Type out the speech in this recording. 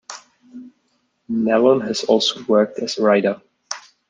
Nallon has also worked as a writer.